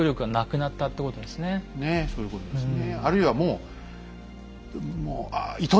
ねえそういうことですね。